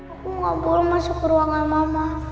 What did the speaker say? aku gak boleh masuk ke ruangan mama